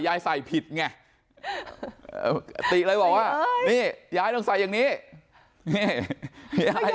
ยายใส่ผิดไงติอะไรบอกว่านี่ยายต้องใส่อย่างนี้